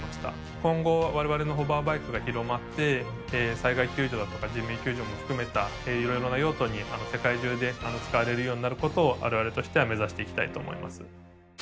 今後我々のホバーバイクが広まって災害救助だとか人命救助も含めた色々な用途に世界中で使われるようになることを我々は目指していきたいと思います